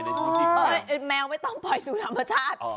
แมวไม่ต้องปล่อยสู่ธรรมชาติ